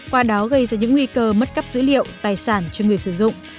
qua đó gây ra những nguy cơ mất cắp dữ liệu tài sản cho người sử dụng